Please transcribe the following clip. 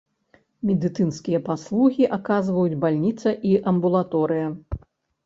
Медыцынскія паслугі аказваюць бальніца і амбулаторыя.